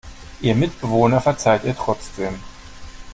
Ihr Mitbewohner verzeiht ihr trotzdem.